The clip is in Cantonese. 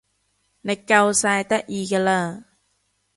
你夠晒得意㗎啦